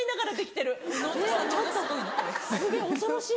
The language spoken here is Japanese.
すげぇ恐ろしい。